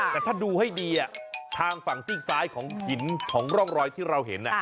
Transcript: แต่ถ้าดูให้ดีทางฝั่งซีกซ้ายของหินของร่องรอยที่เราเห็น